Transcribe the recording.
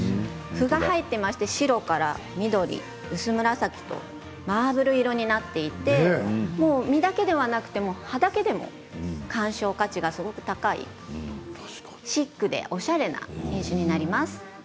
ふが入っていまして白から緑薄紫とマーブル色になっていて実だけではなく葉だけでも鑑賞価値がすごく高いシックでおしゃれな品種になります。